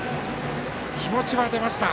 気持ちは出ました